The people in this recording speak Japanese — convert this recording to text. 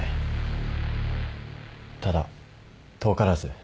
ただ遠からず。